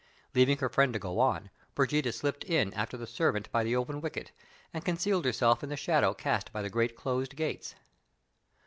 Leaving her friend to go on, Brigida slipped in after the servant by the open wicket, and concealed herself in the shadow cast by the great closed gates.